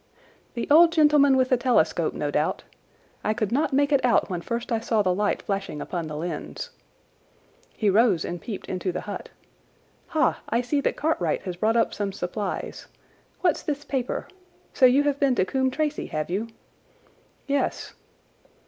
"The old gentleman with the telescope, no doubt. I could not make it out when first I saw the light flashing upon the lens." He rose and peeped into the hut. "Ha, I see that Cartwright has brought up some supplies. What's this paper? So you have been to Coombe Tracey, have you?" "Yes."